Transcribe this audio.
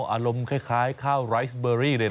อารมณ์คล้ายข้าวไรสเบอรี่เลยนะ